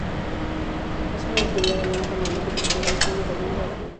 Es una orquídea de gran tamaño que prefiere el clima caliente a frío.